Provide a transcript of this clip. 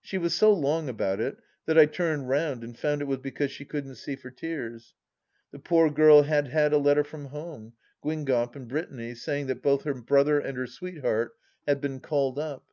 She was so long about it that I turned round and found it was because she couldn't see for tears. The poor girl had had a letter from home — Guingamp in Brittany — saying that both her brother and her sweetheart had been called up.